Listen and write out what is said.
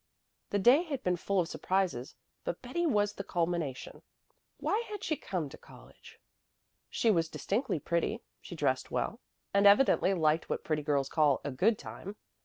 The day had been full of surprises, but Betty was the culmination. Why had she come to college? She was distinctly pretty, she dressed well, and evidently liked what pretty girls call "a good time."